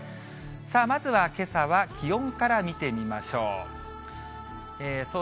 さあ、まずはけさは気温から見てみましょう。